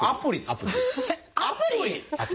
アプリ。